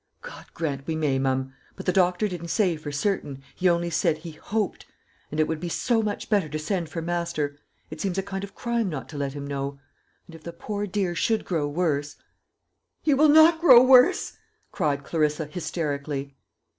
"God grant we may, mum! But the doctor didn't say for certain he only said he hoped; and it would be so much better to send for master. It seems a kind of crime not to let him know; and if the poor dear should grow worse " "He will not grow worse!" cried Clarissa hysterically.